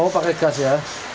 oh pakai gas ya